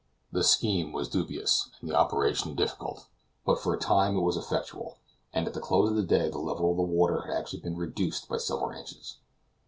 The scheme was dubious, and the operation difficult, but for a time it was effectual, and at the close of the day the level of the water had actually been reduced by several inches.